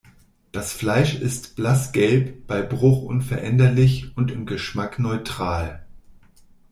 Das Fleisch ist blassgelb, bei Bruch unveränderlich und im Geschmack neutral.